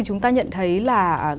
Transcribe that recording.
chúng ta nhận thấy là